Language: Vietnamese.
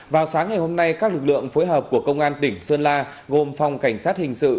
vào sáng ngày hôm nay các lực lượng phối hợp của công an tỉnh sơn la gồm phòng cảnh sát hình sự